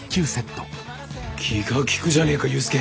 気が利くじゃねえか勇介。